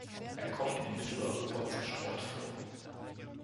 Er kommt in Mitteleuropa zerstreut vor.